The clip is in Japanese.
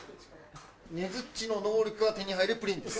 ねづっちの能力が手に入るプリンです。